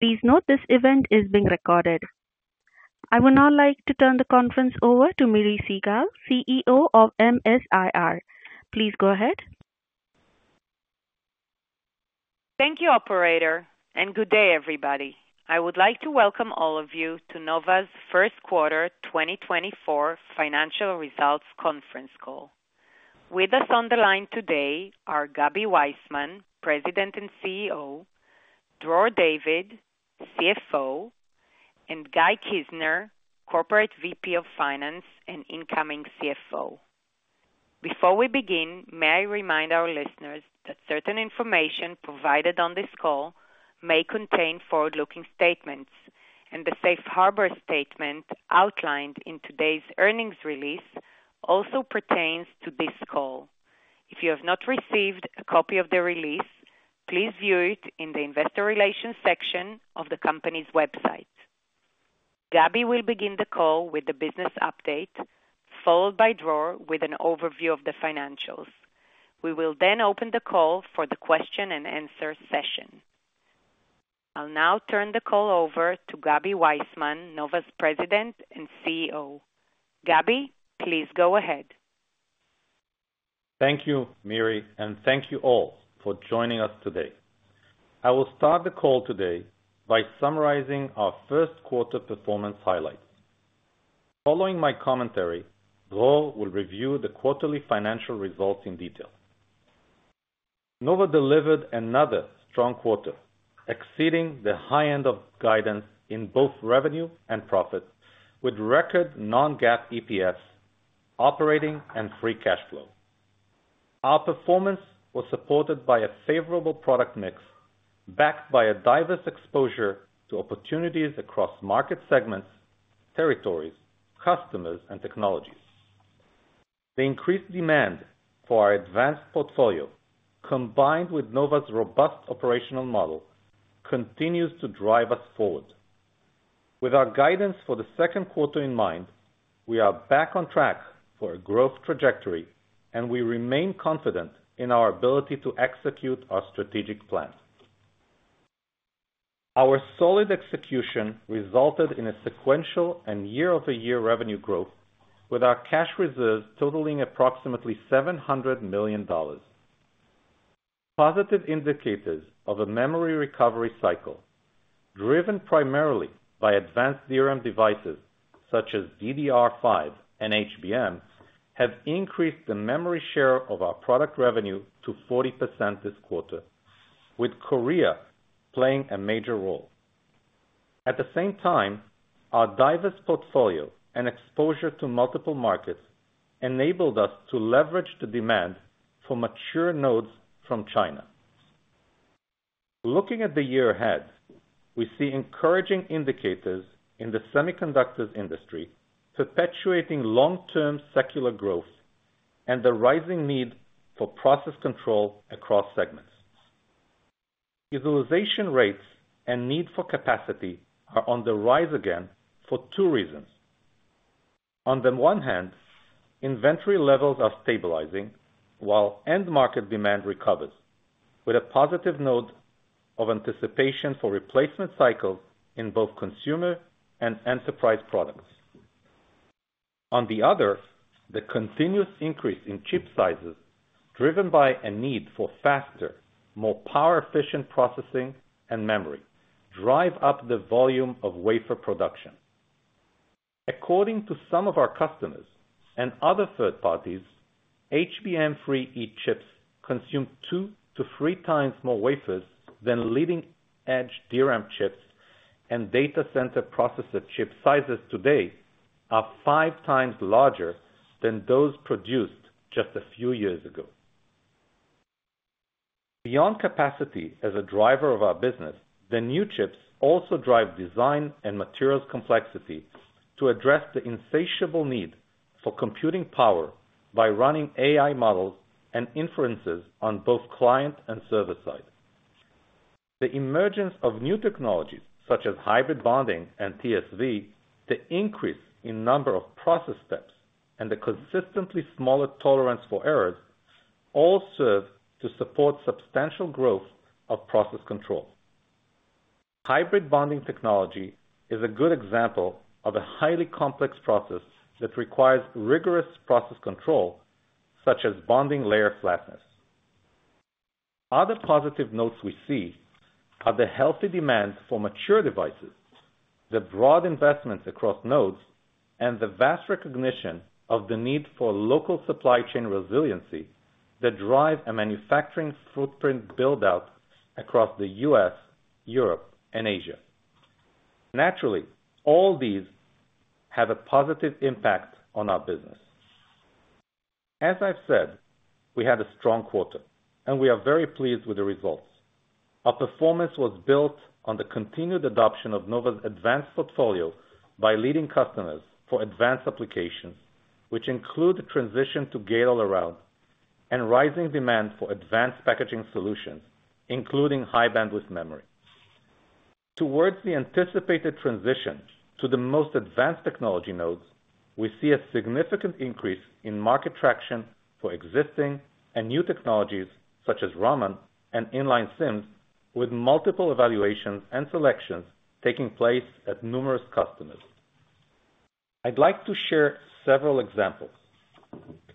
Please note this event is being recorded. I would now like to turn the conference over to Miri Segal, CEO of MS-IR. Please go ahead. Thank you, operator, and good day, everybody. I would like to welcome all of you to Nova's first quarter 2024 financial results conference call. With us on the line today are Gaby Waisman, President and CEO; Dror David, CFO; and Guy Kizner, Corporate VP of Finance and incoming CFO. Before we begin, may I remind our listeners that certain information provided on this call may contain forward-looking statements, and the Safe Harbor statement outlined in today's earnings release also pertains to this call. If you have not received a copy of the release, please view it in the investor relations section of the company's website. Gaby will begin the call with the business update, followed by Dror with an overview of the financials. We will then open the call for the question-and-answer session. I'll now turn the call over to Gaby Waisman, Nova's President and CEO. Gaby, please go ahead. Thank you, Miri, and thank you all for joining us today. I will start the call today by summarizing our first quarter performance highlights. Following my commentary, Dror will review the quarterly financial results in detail. Nova delivered another strong quarter, exceeding the high end of guidance in both revenue and profit, with record non-GAAP EPS, operating, and free cash flow. Our performance was supported by a favorable product mix, backed by a diverse exposure to opportunities across market segments, territories, customers, and technologies. The increased demand for our advanced portfolio, combined with Nova's robust operational model, continues to drive us forward. With our guidance for the second quarter in mind, we are back on track for a growth trajectory, and we remain confident in our ability to execute our strategic plan. Our solid execution resulted in a sequential and year-over-year revenue growth, with our cash reserves totaling approximately $700 million. Positive indicators of a memory recovery cycle, driven primarily by advanced DRAM devices such as DDR5 and HBM, have increased the memory share of our product revenue to 40% this quarter, with Korea playing a major role. At the same time, our diverse portfolio and exposure to multiple markets enabled us to leverage the demand for mature nodes from China. Looking at the year ahead, we see encouraging indicators in the semiconductor industry perpetuating long-term secular growth and the rising need for process control across segments. Utilization rates and need for capacity are on the rise again for two reasons. On the one hand, inventory levels are stabilizing while end-market demand recovers, with a positive note of anticipation for replacement cycles in both consumer and enterprise products. On the other hand, the continuous increase in chip sizes, driven by a need for faster, more power-efficient processing and memory, drives up the volume of wafer production. According to some of our customers and other third parties, HBM-free chips consume 2x-3x more wafers than leading-edge DRAM chips, and data center processor chip sizes today are 5x larger than those produced just a few years ago. Beyond capacity as a driver of our business, the new chips also drive design and materials complexity to address the insatiable need for computing power by running AI models and inferences on both client and server side. The emergence of new technologies such as hybrid bonding and TSV, the increase in number of process steps, and the consistently smaller tolerance for errors all serve to support substantial growth of process control. Hybrid bonding technology is a good example of a highly complex process that requires rigorous process control, such as bonding layer flatness. Other positive notes we see are the healthy demand for mature devices, the broad investments across nodes, and the vast recognition of the need for local supply chain resiliency that drive a manufacturing footprint buildout across the U.S., Europe, and Asia. Naturally, all these have a positive impact on our business. As I've said, we had a strong quarter, and we are very pleased with the results. Our performance was built on the continued adoption of Nova's advanced portfolio by leading customers for advanced applications, which include the transition to Gate-All-Around and rising demand for advanced packaging solutions, including high-bandwidth memory. Towards the anticipated transition to the most advanced technology nodes, we see a significant increase in market traction for existing and new technologies such as Raman and inline SIMS, with multiple evaluations and selections taking place at numerous customers. I'd like to share several examples.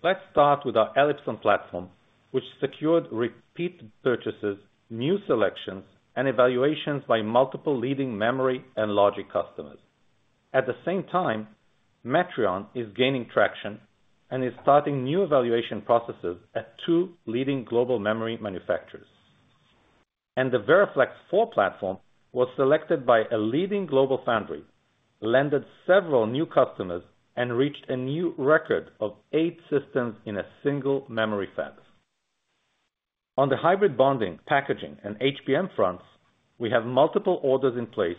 Let's start with our ELIPSON platform, which secured repeat purchases, new selections, and evaluations by multiple leading memory and logic customers. At the same time, Metrion is gaining traction and is starting new evaluation processes at two leading global memory manufacturers. And the VeraFlex 4 platform, which was selected by a leading global foundry, landed several new customers and reached a new record of eight systems in a single memory fab. On the hybrid bonding, packaging, and HBM fronts, we have multiple orders in place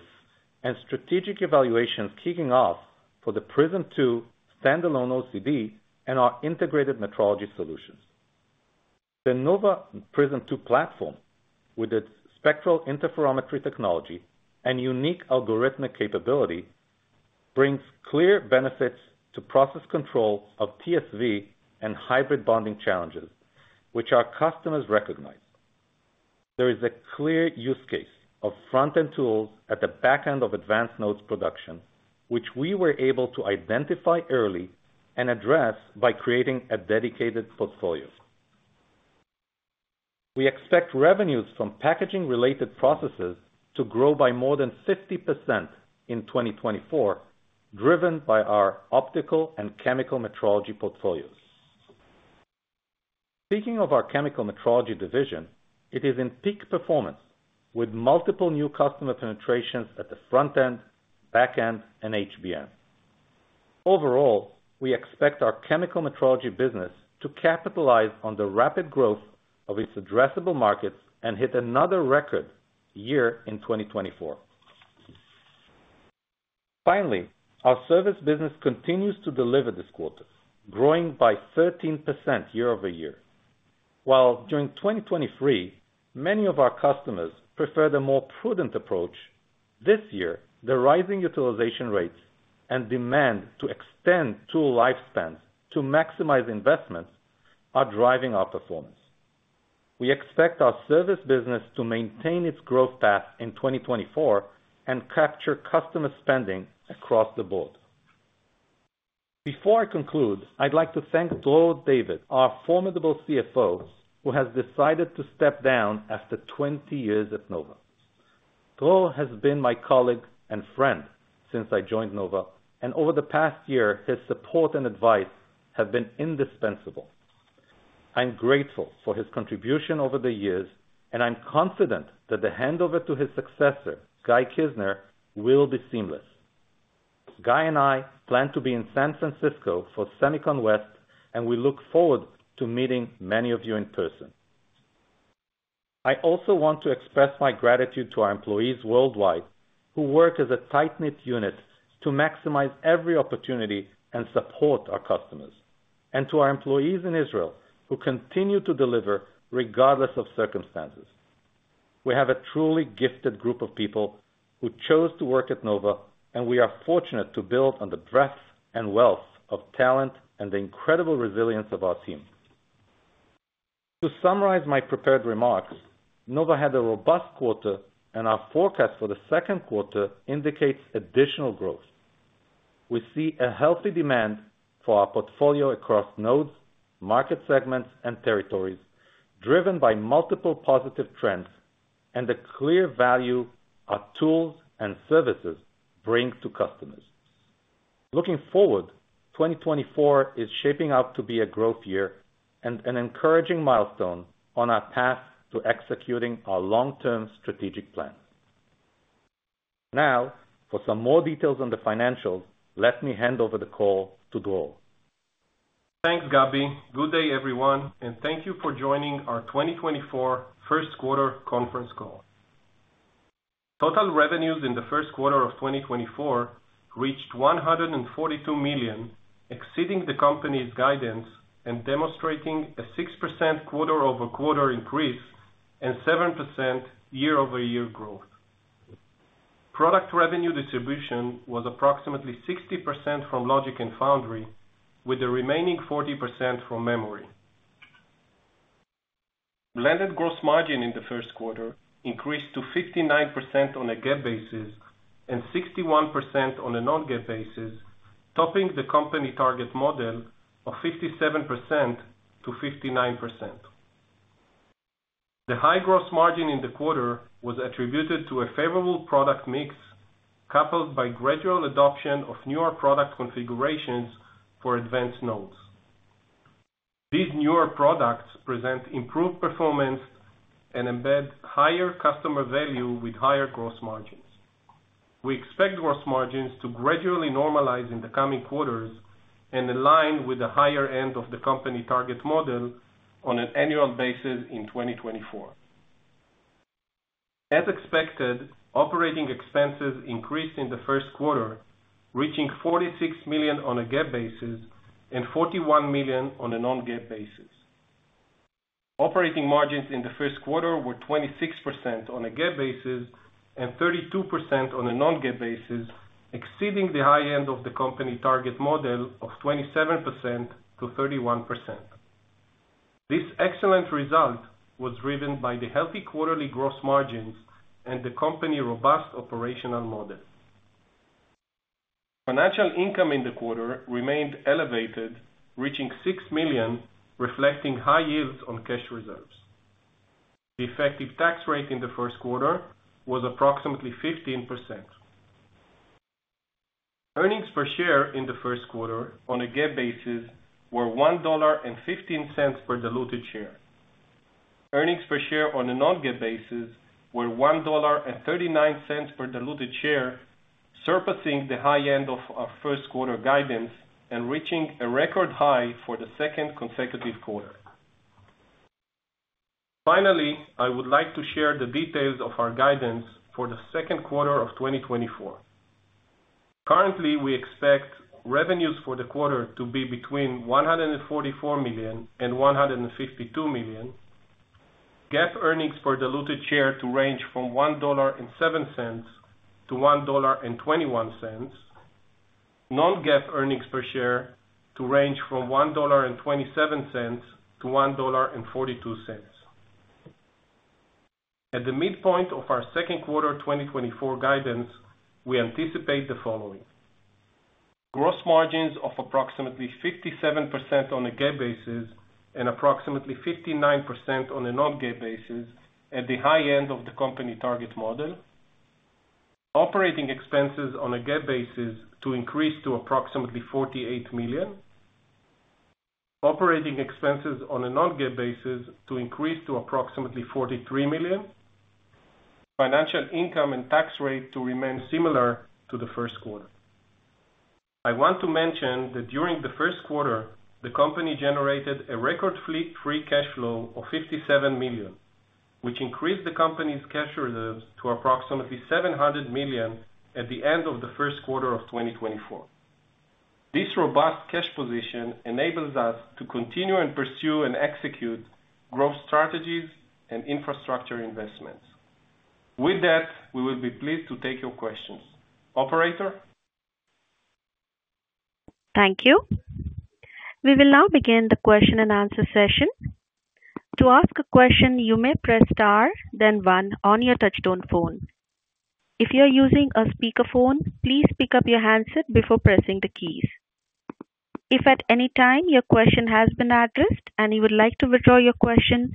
and strategic evaluations kicking off for the Prism 2 standalone OCD and our integrated metrology solutions. The Nova Prism 2 platform, with its spectral interferometry technology and unique algorithmic capability, brings clear benefits to process control of TSV and hybrid bonding challenges, which our customers recognize. There is a clear use case of front-end tools at the back end of advanced nodes production, which we were able to identify early and address by creating a dedicated portfolio. We expect revenues from packaging-related processes to grow by more than 50% in 2024, driven by our optical and chemical metrology portfolios. Speaking of our chemical metrology division, it is in peak performance, with multiple new customer penetrations at the front end, back end, and HBM. Overall, we expect our chemical metrology business to capitalize on the rapid growth of its addressable markets and hit another record year in 2024. Finally, our service business continues to deliver this quarter, growing by 13% year-over-year. While during 2023 many of our customers prefer the more prudent approach, this year the rising utilization rates and demand to extend tool lifespans to maximize investments are driving our performance. We expect our service business to maintain its growth path in 2024 and capture customer spending across the board. Before I conclude, I'd like to thank Dror David, our formidable CFO who has decided to step down after 20 years at Nova. Dror has been my colleague and friend since I joined Nova, and over the past year his support and advice have been indispensable. I'm grateful for his contribution over the years, and I'm confident that the handover to his successor, Guy Kizner, will be seamless. Guy and I plan to be in San Francisco for SEMICON West, and we look forward to meeting many of you in person. I also want to express my gratitude to our employees worldwide who work as a tight-knit unit to maximize every opportunity and support our customers, and to our employees in Israel who continue to deliver regardless of circumstances. We have a truly gifted group of people who chose to work at Nova, and we are fortunate to build on the breadth and wealth of talent and the incredible resilience of our team. To summarize my prepared remarks, Nova had a robust quarter, and our forecast for the second quarter indicates additional growth. We see a healthy demand for our portfolio across nodes, market segments, and territories, driven by multiple positive trends and the clear value our tools and services bring to customers. Looking forward, 2024 is shaping out to be a growth year and an encouraging milestone on our path to executing our long-term strategic plans. Now, for some more details on the financials, let me hand over the call to Dror. Thanks, Gaby. Good day, everyone, and thank you for joining our 2024 first quarter conference call. Total revenues in the first quarter of 2024 reached $142 million, exceeding the company's guidance and demonstrating a 6% quarter-over-quarter increase and 7% year-over-year growth. Product revenue distribution was approximately 60% from logic and foundry, with the remaining 40% from memory. Blended gross margin in the first quarter increased to 59% on a GAAP basis and 61% on a non-GAAP basis, topping the company target model of 57%-59%. The high gross margin in the quarter was attributed to a favorable product mix coupled with gradual adoption of newer product configurations for advanced nodes. These newer products present improved performance and embed higher customer value with higher gross margins. We expect gross margins to gradually normalize in the coming quarters and align with the higher end of the company target model on an annual basis in 2024. As expected, operating expenses increased in the first quarter, reaching $46 million on a GAAP basis and $41 million on a non-GAAP basis. Operating margins in the first quarter were 26% on a GAAP basis and 32% on a non-GAAP basis, exceeding the high end of the company target model of 27%-31%. This excellent result was driven by the healthy quarterly gross margins and the company robust operational model. Financial income in the quarter remained elevated, reaching $6 million, reflecting high yields on cash reserves. The effective tax rate in the first quarter was approximately 15%. Earnings per share in the first quarter on a GAAP basis were $1.15 per diluted share. Earnings per share on a non-GAAP basis were $1.39 per diluted share, surpassing the high end of our first quarter guidance and reaching a record high for the second consecutive quarter. Finally, I would like to share the details of our guidance for the second quarter of 2024. Currently, we expect revenues for the quarter to be between $144 million and $152 million. GAAP earnings per diluted share to range from $1.07-$1.21. Non-GAAP earnings per share to range from $1.27-$1.42. At the midpoint of our second quarter 2024 guidance, we anticipate the following: Gross margins of approximately 57% on a GAAP basis and approximately 59% on a non-GAAP basis at the high end of the company target model. Operating expenses on a GAAP basis to increase to approximately $48 million. Operating expenses on a non-GAAP basis to increase to approximately $43 million. Financial income and tax rate to remain similar to the first quarter. I want to mention that during the first quarter, the company generated a record free cash flow of $57 million, which increased the company's cash reserves to approximately $700 million at the end of the first quarter of 2024. This robust cash position enables us to continue and pursue and execute growth strategies and infrastructure investments. With that, we will be pleased to take your questions. Operator? Thank you. We will now begin the question-and-answer session. To ask a question, you may press star then one on your touch-tone phone. If you're using a speakerphone, please pick up your handset before pressing the keys. If at any time your question has been addressed and you would like to withdraw your question,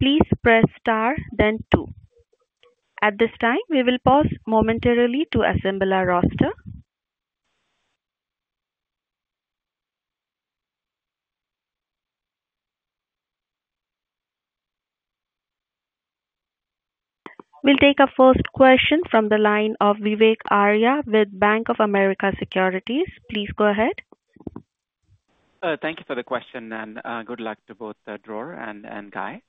please press star then two. At this time, we will pause momentarily to assemble our roster. We'll take our first question from the line of Vivek Arya with Bank of America Securities. Please go ahead. Thank you for the question, and good luck to both Dror and Guy.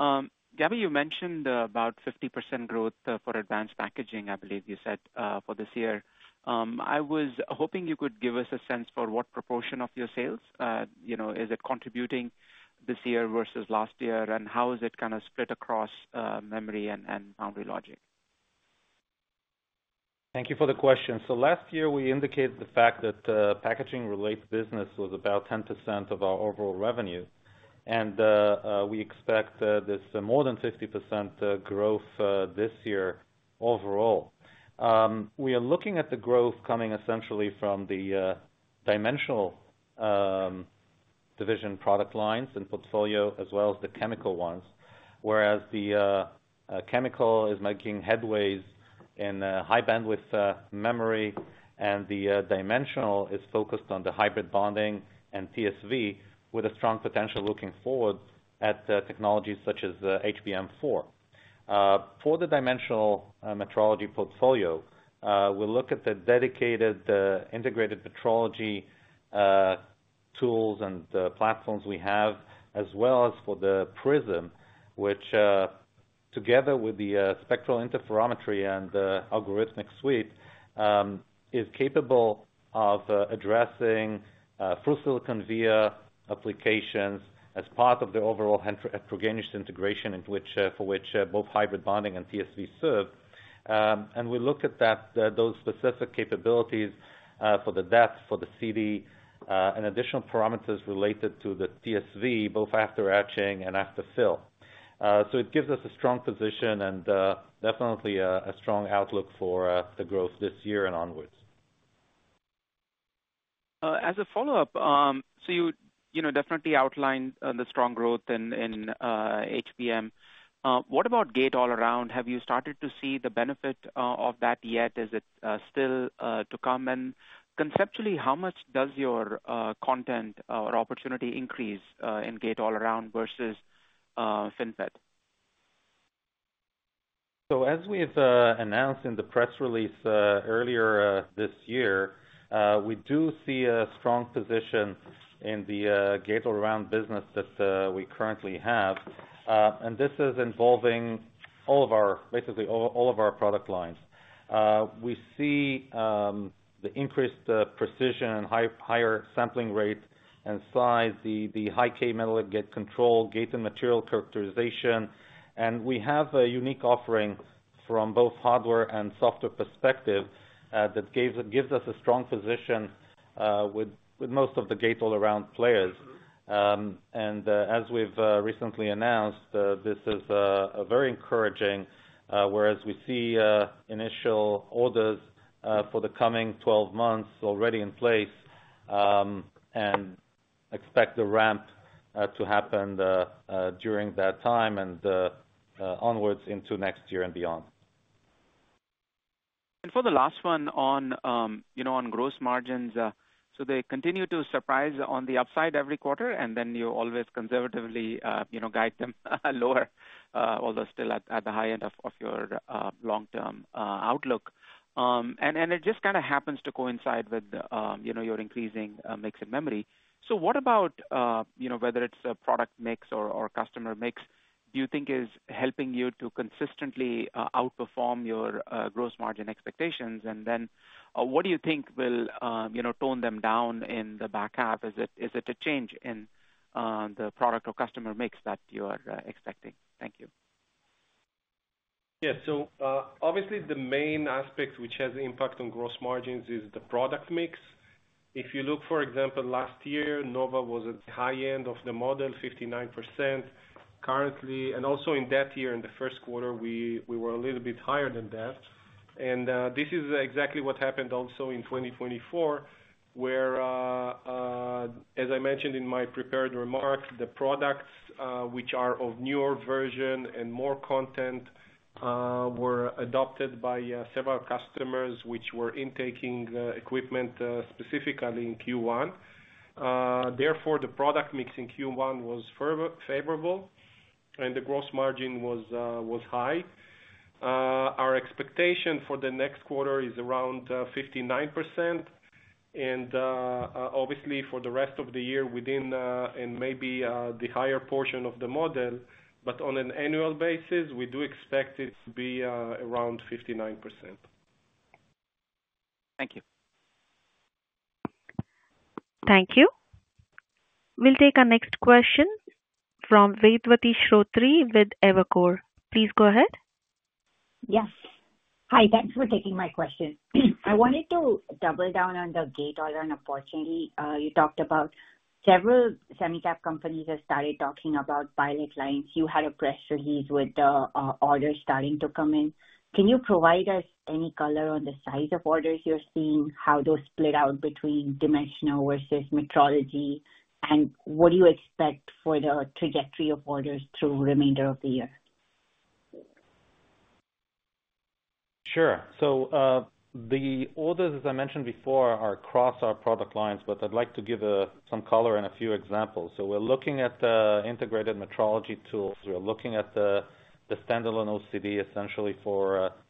Gaby, you mentioned about 50% growth for advanced packaging, I believe you said, for this year. I was hoping you could give us a sense for what proportion of your sales is it contributing this year versus last year, and how is it kind of split across memory and foundry logic? Thank you for the question. So last year, we indicated the fact that packaging-related business was about 10% of our overall revenue, and we expect this more than 50% growth this year overall. We are looking at the growth coming essentially from the dimensional division product lines and portfolio, as well as the chemical ones, whereas the chemical is making headway in High Bandwidth Memory, and the dimensional is focused on the hybrid bonding and TSV, with a strong potential looking forward at technologies such as HBM4. For the dimensional metrology portfolio, we'll look at the dedicated integrated metrology tools and platforms we have, as well as for the Prism, which, together with the Spectral Interferometry and algorithmic suite, is capable of addressing through-silicon via applications as part of the overall heterogeneous integration for which both hybrid bonding and TSV serve. We'll look at those specific capabilities for the depth, for the CD, and additional parameters related to the TSV, both after etching and after fill. It gives us a strong position and definitely a strong outlook for the growth this year and onwards. As a follow-up, so you definitely outlined the strong growth in HBM. What about Gate-All-Around? Have you started to see the benefit of that yet? Is it still to come? And conceptually, how much does your content or opportunity increase in Gate-All-Around versus FinFET? So as we've announced in the press release earlier this year, we do see a strong position in the Gate-All-Around business that we currently have. And this is involving basically all of our product lines. We see the increased precision, higher sampling rate and size, the high-k metal gate control, gate and material characterization. And we have a unique offering from both hardware and software perspective that gives us a strong position with most of the Gate-All-Around players. And as we've recently announced, this is very encouraging, whereas we see initial orders for the coming 12 months already in place and expect the ramp to happen during that time and onwards into next year and beyond. And for the last one on gross margins, so they continue to surprise on the upside every quarter, and then you always conservatively guide them lower, although still at the high end of your long-term outlook. And it just kind of happens to coincide with your increasing mix in memory. So what about whether it's a product mix or customer mix do you think is helping you to consistently outperform your gross margin expectations? And then what do you think will tone them down in the back half? Is it a change in the product or customer mix that you are expecting? Thank you. Yeah. So obviously, the main aspect which has an impact on gross margins is the product mix. If you look, for example, last year, Nova was at the high end of the model, 59%. And also in that year, in the first quarter, we were a little bit higher than that. And this is exactly what happened also in 2024 where, as I mentioned in my prepared remarks, the products which are of newer version and more content were adopted by several customers which were intaking equipment specifically in Q1. Therefore, the product mix in Q1 was favorable, and the gross margin was high. Our expectation for the next quarter is around 59%. And obviously, for the rest of the year within and maybe the higher portion of the model, but on an annual basis, we do expect it to be around 59%. Thank you. Thank you. We'll take our next question from Vedvati Shrotre with Evercore ISI. Please go ahead. Yes. Hi. Thanks for taking my question. I wanted to double down on the Gate-All-Around opportunity. You talked about several semi-cap companies have started talking about pilot lines. You had a press release with the orders starting to come in. Can you provide us any color on the size of orders you're seeing, how those split out between dimensional versus metrology, and what do you expect for the trajectory of orders through the remainder of the year? Sure. So the orders, as I mentioned before, are across our product lines, but I'd like to give some color and a few examples. So we're looking at the integrated metrology tools. We're looking at the standalone OCD, essentially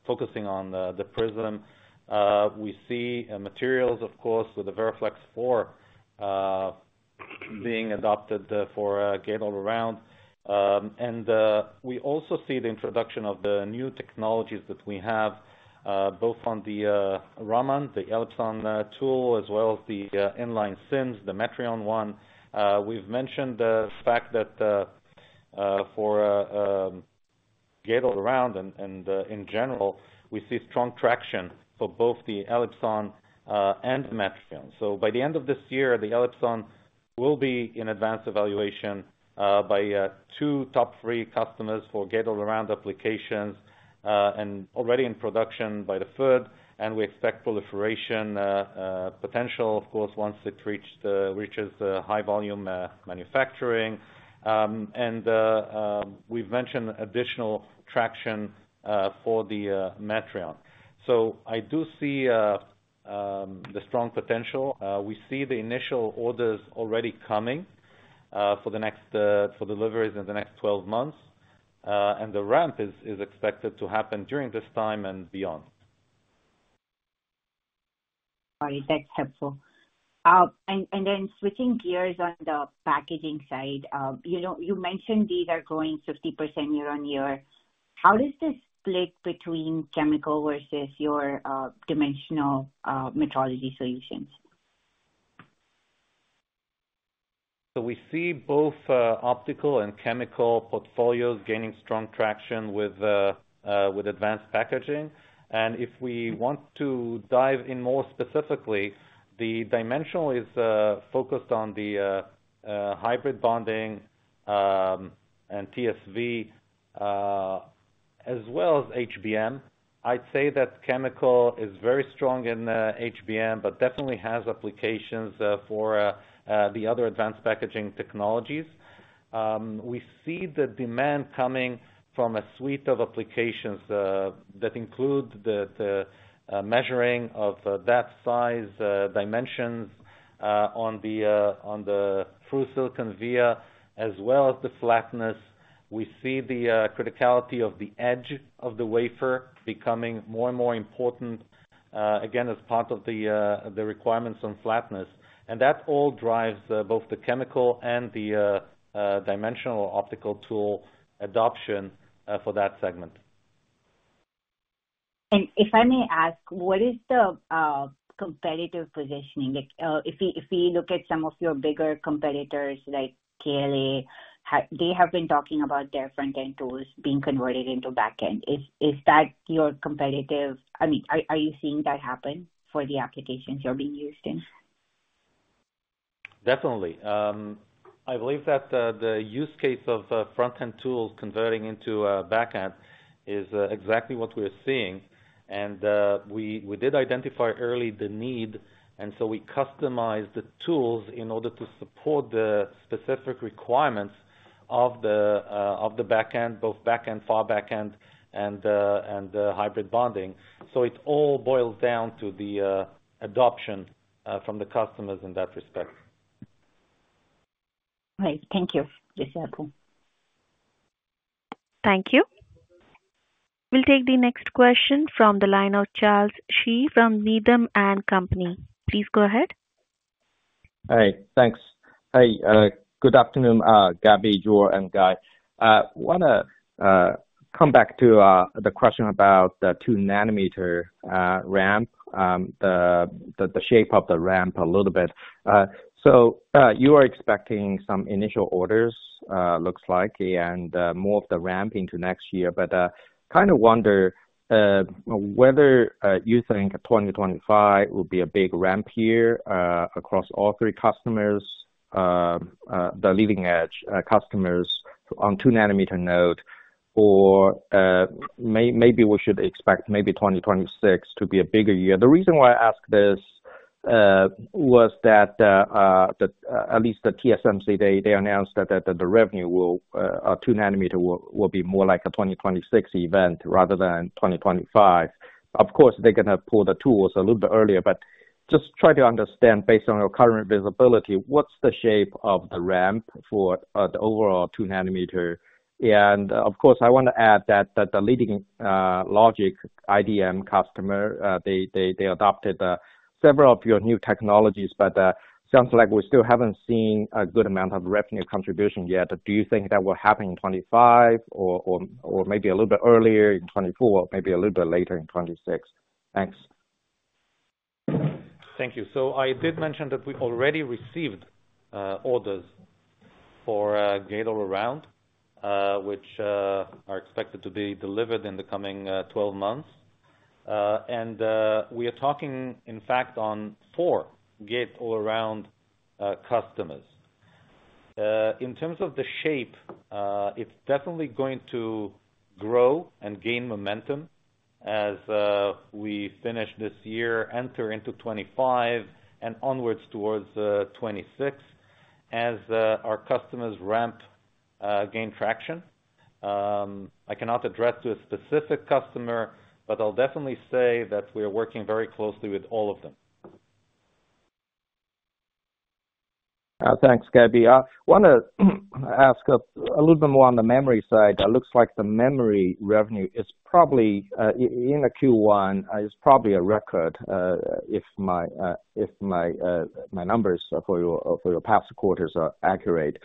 focusing on the Prism. We see materials, of course, with the VeraFlex 4 being adopted for Gate-All-Around. And we also see the introduction of the new technologies that we have, both on the Raman, the ELIPSON tool, as well as the inline SIMS, the Metrion one. We've mentioned the fact that for Gate-All-Around and in general, we see strong traction for both the ELIPSON and the Metrion. So by the end of this year, the ELIPSON will be in advanced evaluation by two top three customers for Gate-All-Around applications and already in production by the third. We expect proliferation potential, of course, once it reaches high-volume manufacturing. We've mentioned additional traction for the Metrion. I do see the strong potential. We see the initial orders already coming for deliveries in the next 12 months. The ramp is expected to happen during this time and beyond. All right. That's helpful. And then switching gears on the packaging side, you mentioned these are growing 50% year-over-year. How does this split between chemical versus your dimensional metrology solutions? We see both optical and chemical portfolios gaining strong traction with advanced packaging. If we want to dive in more specifically, the dimensional is focused on the hybrid bonding and TSV, as well as HBM. I'd say that chemical is very strong in HBM, but definitely has applications for the other advanced packaging technologies. We see the demand coming from a suite of applications that include the measuring of that size, dimensions on the through-silicon via, as well as the flatness. We see the criticality of the edge of the wafer becoming more and more important, again, as part of the requirements on flatness. That all drives both the chemical and the dimensional or optical tool adoption for that segment. If I may ask, what is the competitive positioning? If we look at some of your bigger competitors like KLA, they have been talking about their front-end tools being converted into back-end. Is that your competitive—I mean, are you seeing that happen for the applications you're being used in? Definitely. I believe that the use case of front-end tools converting into back-end is exactly what we're seeing. And we did identify early the need, and so we customized the tools in order to support the specific requirements of the back-end, both back-end, far back-end, and hybrid bonding. So it all boils down to the adoption from the customers in that respect. All right. Thank you. That's helpful. Thank you. We'll take the next question from the line of Charles Shi from Needham & Company. Please go ahead. Hi. Thanks. Hi. Good afternoon, Gaby, Dror, and Guy. I want to come back to the question about the 2-nanometer ramp, the shape of the ramp a little bit. So you are expecting some initial orders, looks like, and more of the ramp into next year. But I kind of wonder whether you think 2025 will be a big ramp year across all three customers, the leading-edge customers on 2-nanometer node, or maybe we should expect maybe 2026 to be a bigger year. The reason why I ask this was that at least the TSMC, they announced that the revenue of 2-nanometer will be more like a 2026 event rather than 2025. Of course, they're going to pull the tools a little bit earlier. But just try to understand, based on your current visibility, what's the shape of the ramp for the overall 2-nanometer? And of course, I want to add that the leading logic IDM customer, they adopted several of your new technologies, but it sounds like we still haven't seen a good amount of revenue contribution yet. Do you think that will happen in 2025 or maybe a little bit earlier in 2024, maybe a little bit later in 2026? Thanks. Thank you. So I did mention that we already received orders for Gate-All-Around, which are expected to be delivered in the coming 12 months. And we are talking, in fact, on four Gate-All-Around customers. In terms of the shape, it's definitely going to grow and gain momentum as we finish this year, enter into 2025, and onwards towards 2026 as our customers' ramp gain traction. I cannot address to a specific customer, but I'll definitely say that we are working very closely with all of them. Thanks, Gaby. I want to ask a little bit more on the memory side. It looks like the memory revenue is probably in Q1 is probably a record if my numbers for your past quarters are accurate.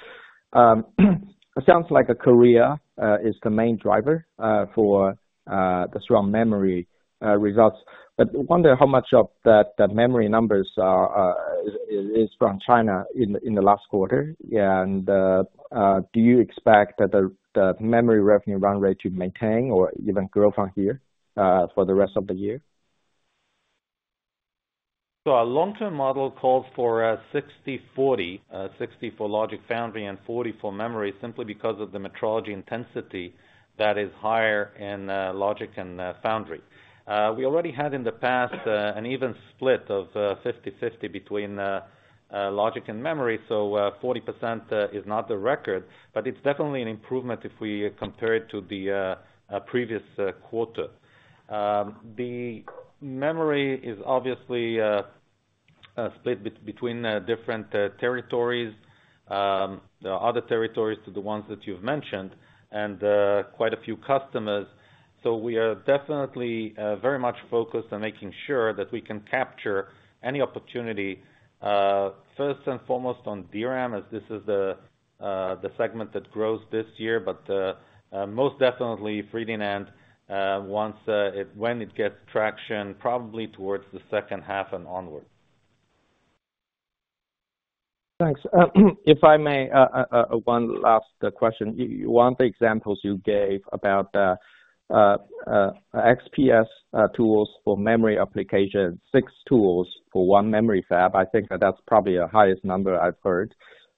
It sounds like Korea is the main driver for the strong memory results. But I wonder how much of that memory numbers is from China in the last quarter. And do you expect that the memory revenue run rate to maintain or even grow from here for the rest of the year? So our long-term model calls for 60/40, 60 for logic foundry and 40 for memory, simply because of the metrology intensity that is higher in logic and foundry. We already had in the past an even split of 50/50 between logic and memory. So 40% is not the record, but it's definitely an improvement if we compare it to the previous quarter. The memory is obviously split between different territories, other territories to the ones that you've mentioned, and quite a few customers. So we are definitely very much focused on making sure that we can capture any opportunity, first and foremost, on DRAM, as this is the segment that grows this year. But most definitely, 3D NAND, when it gets traction, probably towards the second half and onward. Thanks. If I may, one last question. You want the examples you gave about XPS tools for memory application, 6 tools for 1 memory fab. I think that that's probably the highest number I've heard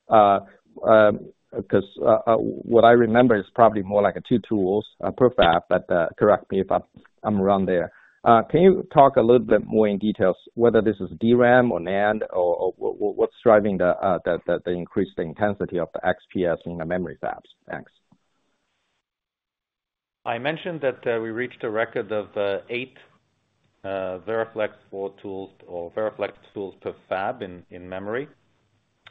because what I remember is probably more like two tools per fab. But correct me if I'm around there. Can you talk a little bit more in detail whether this is DRAM or NAND, or what's driving the increased intensity of the XPS in the memory fabs? Thanks. I mentioned that we reached a record of eight VeraFlex tools or VeraFlex tools per fab in memory.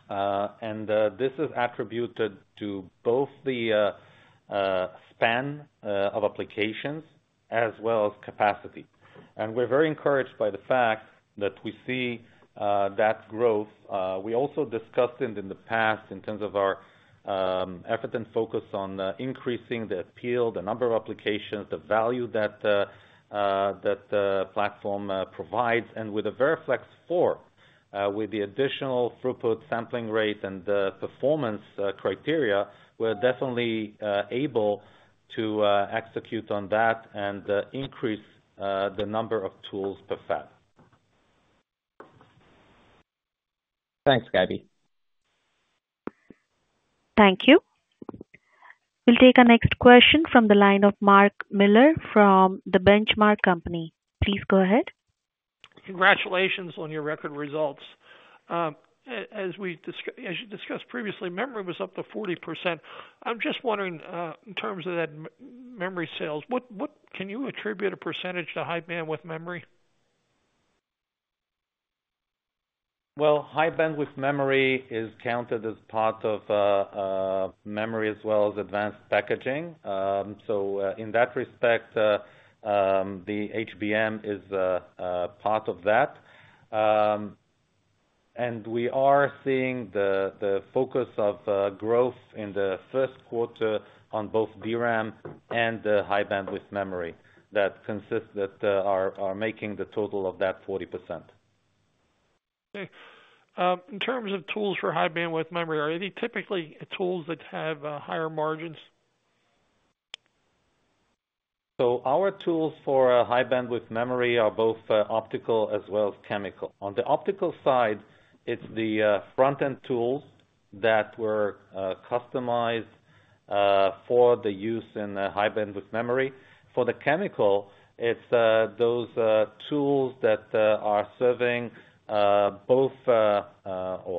This is attributed to both the span of applications as well as capacity. We're very encouraged by the fact that we see that growth. We also discussed it in the past in terms of our effort and focus on increasing the appeal, the number of applications, the value that the platform provides. With the VeraFlex 4, with the additional throughput sampling rate and performance criteria, we're definitely able to execute on that and increase the number of tools per fab. Thanks, Gabby. Thank you. We'll take our next question from the line of Mark Miller from The Benchmark Company. Please go ahead. Congratulations on your record results. As you discussed previously, memory was up to 40%. I'm just wondering, in terms of that memory sales, can you attribute a percentage to High Bandwidth Memory? Well, high bandwidth memory is counted as part of memory as well as advanced packaging. So in that respect, the HBM is part of that. And we are seeing the focus of growth in the first quarter on both DRAM and high bandwidth memory that are making the total of that 40%. Okay. In terms of tools for high bandwidth memory, are any typically tools that have higher margins? So our tools for high bandwidth memory are both optical as well as chemical. On the optical side, it's the front-end tools that were customized for the use in high bandwidth memory. For the chemical, it's those tools that are serving both, or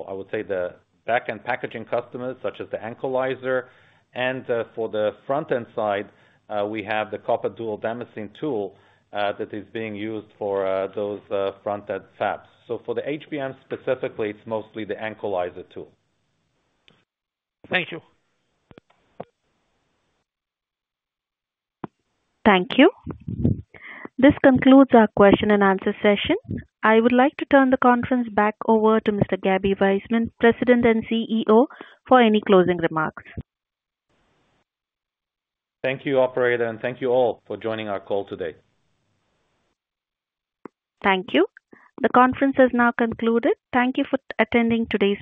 I would say, the back-end packaging customers such as the Ancolyzer. And for the front-end side, we have the copper dual damascene tool that is being used for those front-end fabs. So for the HBM specifically, it's mostly the Ancolyzer tool. Thank you. Thank you. This concludes our question-and-answer session. I would like to turn the conference back over to Mr. Gaby Waisman, President and CEO, for any closing remarks. Thank you, operator. Thank you all for joining our call today. Thank you. The conference has now concluded. Thank you for attending today's.